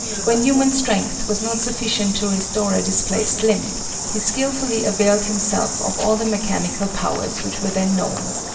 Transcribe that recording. When human strength was not sufficient to restore a displaced limb, he skilfully availed himself of all the mechanical powers which were then known.